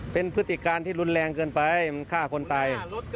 เป็นพฤติการที่รุนแรงเกินไปมันฆ่าคนตาย